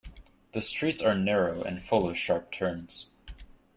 The streets are narrow and full of sharp turns.